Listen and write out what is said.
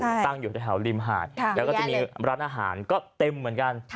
ตั้งอยู่แถวริมหาดแล้วก็จะมีร้านอาหารก็เต็มเหมือนกัน